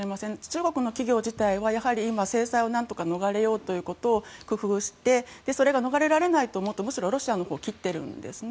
中国の企業自体はやはり今、制裁を何とか逃れようということを工夫してそれが逃れられないと思ったらロシアのほうを切っているんですね。